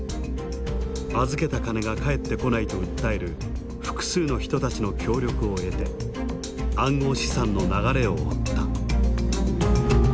預けた金が返ってこないと訴える複数の人たちの協力を得て暗号資産の流れを追った。